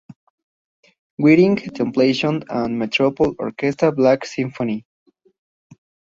Within Temptation And Metropole Orquesta: Black Symphony.